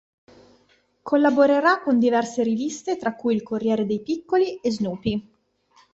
Collaborerà con diverse riviste tra cui il Corriere dei Piccoli e Snoopy.